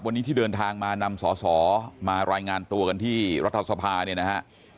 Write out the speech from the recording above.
วันนี้ที่เดินทางมานำสอสอมารายงานตัวกันที่รัฐสภาเนี่ยนะฮะ